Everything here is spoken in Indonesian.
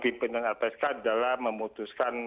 pimpinan lpsk dalam memutuskan